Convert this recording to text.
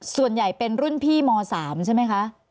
ส่วนใหญ่เป็นรุ่นพี่ม๓ใช่ไหมคะ